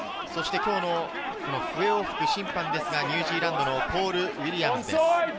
今日の笛を吹く審判ですが、ニュージーランドのポール・ウィリアムズです。